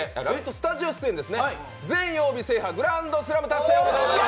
スタジオ出演全曜日制覇、グランドスラム達成です！